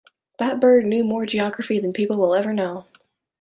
That bird knew more geography than people will ever know.